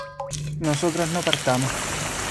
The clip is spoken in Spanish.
nosotros no partamos